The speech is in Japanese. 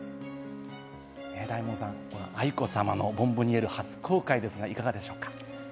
大門さん、愛子さまのボンボニエール初公開ですが、いかがでしょう？